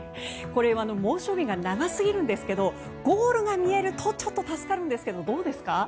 これ、猛暑日が長すぎるんですがゴールが見えるとちょっと助かるんですがどうですか？